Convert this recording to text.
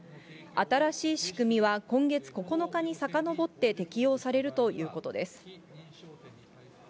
新しい仕組みは、今月９日にさかのぼって適用されるということです。